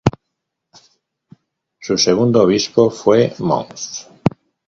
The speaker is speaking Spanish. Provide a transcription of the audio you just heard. Su segundo obispo fue mons.